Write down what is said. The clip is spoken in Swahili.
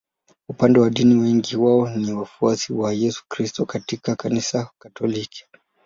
Upande wa dini wengi wao ni wafuasi wa Yesu Kristo katika Kanisa Katoliki.